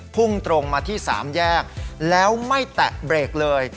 พุ่งตรงมาที่สามแยกแล้วไม่แตะเบรกเลย